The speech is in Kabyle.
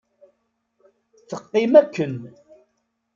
Teqqim akken…